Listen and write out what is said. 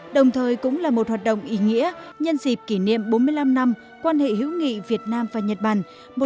đồng thời cũng là một hoạt động ý nghĩa nhân dịp kỷ niệm bốn mươi năm năm quan hệ hữu nghị việt nam và nhật bản một nghìn chín trăm bảy mươi ba hai nghìn một mươi tám